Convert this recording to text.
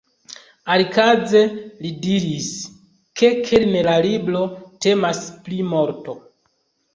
Alikaze li diris, ke kerne la libro temas pri morto.